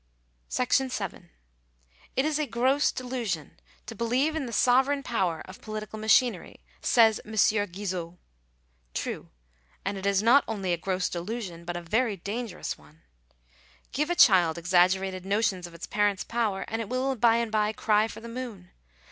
u Digitized by VjOOQIC 290 THE LIMIT OF STATE DUTY. §7. " It is a gross delusion to believe in the sovereign power of • political machinery/' says M. Guizot True: and it is not I only a gross delusion, but a very dangerous one. Give a child * exaggerated notions of its parent's power, and it will by and by cry for the moon.